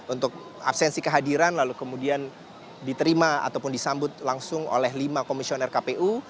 untuk absensi kehadiran lalu kemudian diterima ataupun disambut langsung oleh lima komisioner kpu